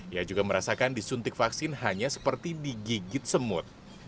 ia juga merasakan disuntik vaksin hanya seperti digigit semut